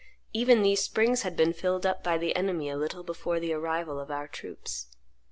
Even these springs had been filled up by the enemy a little before the arrival of our troops.